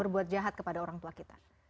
berbuat jahat kepada orang tua kita